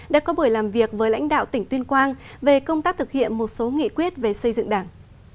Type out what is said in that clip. đã có buổi làm việc với lãnh đạo tỉnh tuyên quang về công tác thực hiện một số nghị quyết về xây dựng đảng